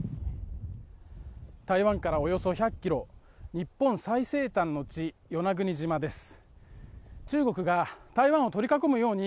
台湾からおよそ１００ｋｍ日本最西端の地・与那国島です。